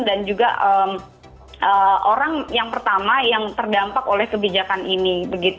dan juga orang yang pertama yang terdampak oleh kebijakan ini